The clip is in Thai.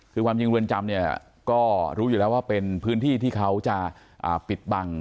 คือความจริงเรือนจำเนี่ยก็รู้อยู่แล้วว่าเป็นพื้นที่ที่เขาจะปิดบัง